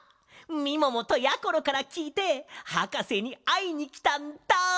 みももとやころからきいてはかせにあいにきたんだ！